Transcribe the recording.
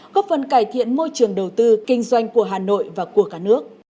góp phần cải thiện môi trường đầu tư kinh doanh của hà nội và của cả nước